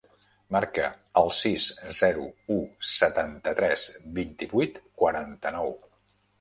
Marca el sis, zero, u, setanta-tres, vint-i-vuit, quaranta-nou.